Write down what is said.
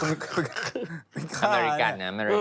อเจมส์เมริกันแหละอเจมส์ครับ